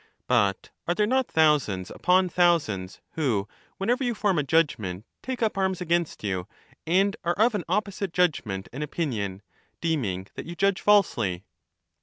But are there not thousands upon thousands who, whenever you form a judgment, take up arms against you and are of an opposite judgment and opinion, deeming that you judge falsely